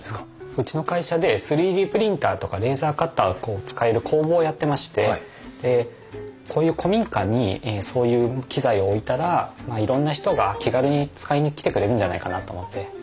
うちの会社で３Ｄプリンターとかレーザーカッターを使える工房をやってましてこういう古民家にそういう機材を置いたらいろんな人が気軽に使いに来てくれるんじゃないかなと思って。